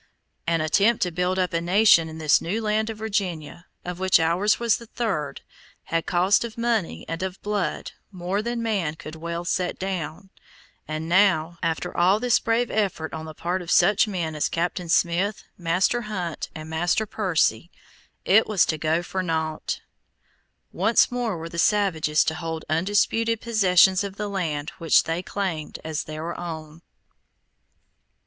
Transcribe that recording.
An attempt to build up a nation in this new land of Virginia, of which ours was the third, had cost of money and of blood more than man could well set down, and now, after all this brave effort on the part of such men as Captain Smith, Master Hunt and Master Percy, it was to go for naught. Once more were the savages to hold undisputed possession of the land which they claimed as their own.